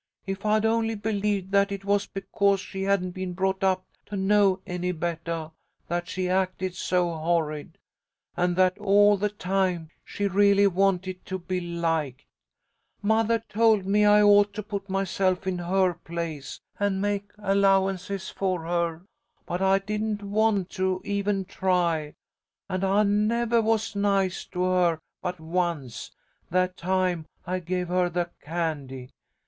If I'd only believed that it was because she hadn't been brought up to know any bettah that she acted so horrid, and that all the time she really wanted to be liked! Mothah told me I ought to put myself in her place, and make allowances for her, but I didn't want to even try, and I nevah was nice to her but once that time I gave her the candy.